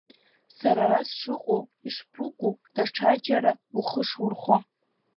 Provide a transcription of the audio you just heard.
Сара ара сшыҟоу, ишԥыкәу даҽаџьара ухы шурхо?